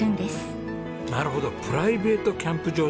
なるほどプライベートキャンプ場だ！